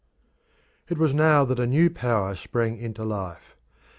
It was now that a new power sprang into life.